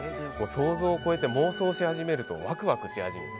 想像を超えて妄想し始めるとワクワクし始める。